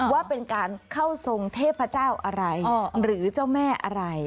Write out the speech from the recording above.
ว่าเป็นการเข้าทรงเทพเจ้าอะไรหรือเจ้าแม่อะไร